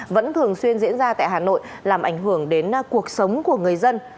vẫn thường xuyên diễn ra tại hà nội làm ảnh hưởng đến cuộc sống của người dân